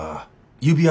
指輪？